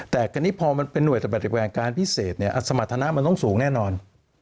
แต่คราวนี้พอมันเป็นห่วยปฏิบัติการพิเศษเนี่ยสมรรถนะมันต้องสูงแน่นอน